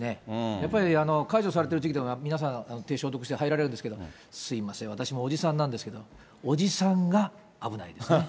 やっぱり解除されてる時期でも皆さん、手消毒して入られるんですけれども、すみません、私もおじさんなんですけど、おじさんが危ないですね。